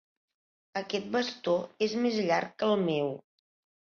Aquest bastó és més llarg que el meu.